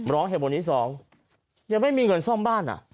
เหตุผลที่สองยังไม่มีเงินซ่อมบ้านอ่ะ